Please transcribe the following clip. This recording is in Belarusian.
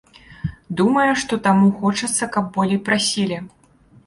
Думае, што таму хочацца, каб болей прасілі.